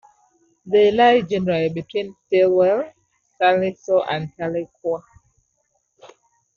They lie generally between Stilwell, Sallisaw and Tahlequah.